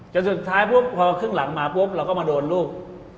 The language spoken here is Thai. จนสุดท้ายปุ๊บพอครึ่งหลังมาปุ๊บเราก็มาโดนลูก